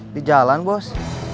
di jalan bos